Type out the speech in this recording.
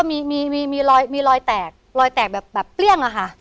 มีรอยแตกรอยแตกแบบเปรี้ยงอะค่ะ